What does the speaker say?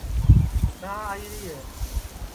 چانٚھ آئیری ہے